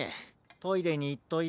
トイレにいっといれ。